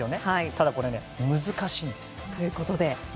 ただ、これ難しいんです。